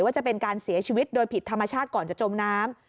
ว่าจะเป็นการเสียชีวิตโดยผิดธรรมชาติก่อนจะจมน้ำ